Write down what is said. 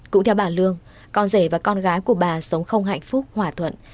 cũng theo bà lương con rể và con gái của bà sống không hạnh phúc hòa thuận